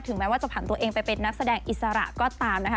แม้ว่าจะผ่านตัวเองไปเป็นนักแสดงอิสระก็ตามนะคะ